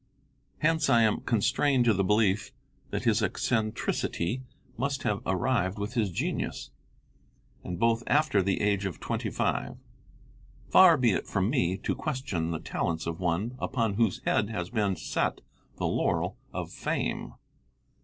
Hence I am constrained to the belief that his eccentricity must have arrived with his genius, and both after the age of twenty five. Far be it from me to question the talents of one upon whose head has been set the laurel of fame!